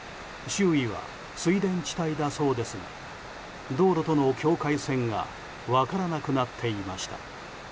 周囲は水田地帯だそうですが道路との境界線が分からなくなっていました。